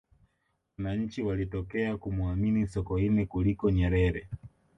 wananchi walitokea kumuamini sokoine kuliko nyerere